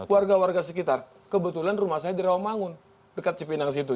warga warga sekitar kebetulan rumah saya di rawamangun dekat cipinang situ